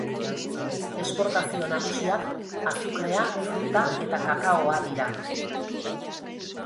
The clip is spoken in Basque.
Esportazio nagusiak azukrea, fruta eta kakaoa dira.